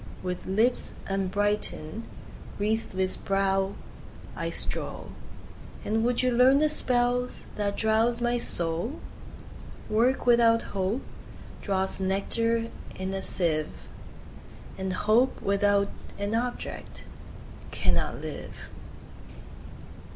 10 With lips unbrighten'd, wreathless brow, I stroll: And would you learn the spells that drowse my soul? Work without Hope draws nectar in a sieve, And Hope without an object cannot live.